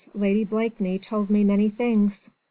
Lady Blakeney told me many things."